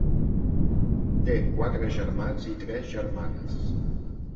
Té quatre germans i tres germanes.